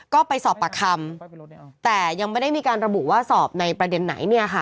ก็ไปสอบปากคำแต่ยังไม่ได้มีการระบุว่าสอบในประเด็นไหนเนี่ยค่ะ